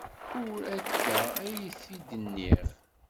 Ur akka ay t-id-nniɣ.